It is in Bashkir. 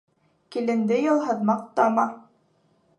Киленде йылһыҙ маҡтама.